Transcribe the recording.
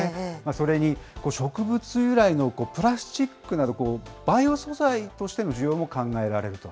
それに、植物由来のプラスチックなど、バイオ素材としての需要も考えられると。